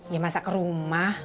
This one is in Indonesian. ya masa ke rumah